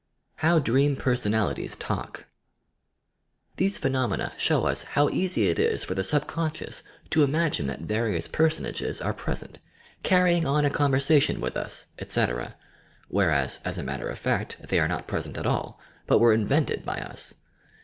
now DREAM PERSONALITIES TALK These phenomena show us how easy it is for the sub conscious to imagine that various personages are present, carrying on a conversation with us, etc., whereas, as a matter of fact, they are not present at ail, but were invented by us.